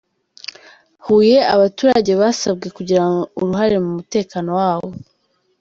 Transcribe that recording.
Huye Abaturage basabwe kugira uruhare mu mutekano wabo